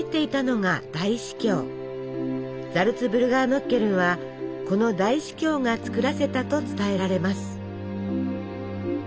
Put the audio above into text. ザルツブルガーノッケルンはこの大司教が作らせたと伝えられます。